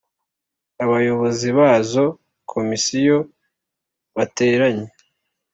Abayobozi ba za Komisiyo bateranye